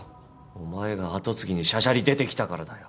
お前が跡継ぎにしゃしゃり出てきたからだよ。